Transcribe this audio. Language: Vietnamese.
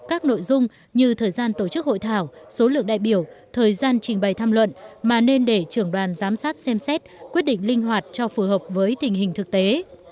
các nội dung như thời gian tổ chức hội thảo số lượng đại biểu thời gian trình bày tham luận mà nên để trưởng đoàn giám sát xem xét quyết định linh hoạt cho phù hợp với tình hình thực tế